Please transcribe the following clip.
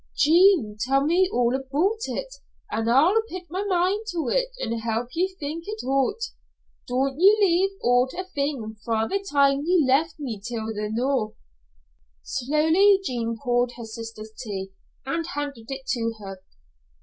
"Jean, tell me all aboot it, an' I'll pit my mind to it and help ye think it oot. Don't ye leave oot a thing fra' the time ye left me till the noo." Slowly Jean poured her sister's tea and handed it to her.